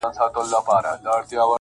زه دي لکه سیوری درسره یمه پل نه لرم.!